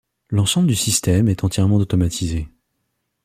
L'ensemble du système est entièrement automatisé.